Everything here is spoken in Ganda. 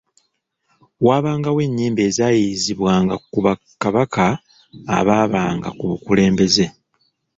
Waabangawo ennyimba ezayiiyiizibwanga ku Bakabaka abaabanga ku bukulembeze